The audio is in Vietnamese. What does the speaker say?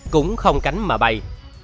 cũng không cánh mà bày